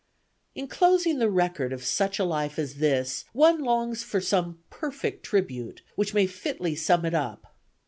In closing the record of such a life as this, one longs for some perfect tribute which may fitly sum it up.